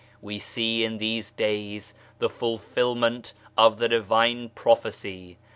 We see in these days the fulfilment of the Divine Prophecy.